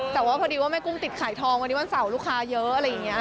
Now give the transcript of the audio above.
แต่ว่าพอดีว่าแม่กุ้งติดขายทองวันนี้วันเสาร์ลูกค้าเยอะอะไรอย่างนี้